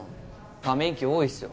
ため息多いっすよ。